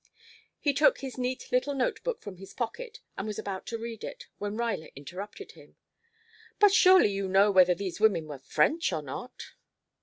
He took his neat little note book from his pocket and was about to read it, when Ruyler interrupted him. "But surely you know whether these women were French or not?"